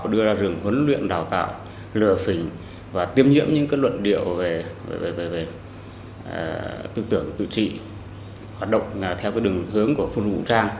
đưa ra rừng huấn luyện đào tạo lừa phình và tiêm nhiễm những luận điệu về tư tưởng tự trị hoạt động theo đường hướng của phun vũ trang